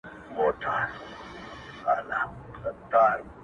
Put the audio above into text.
څو پړسېدلي د پردیو په کولمو ټپوسان!